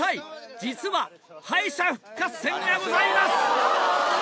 実は敗者復活戦がございます。